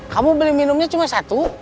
kamu beli minumnya cuma satu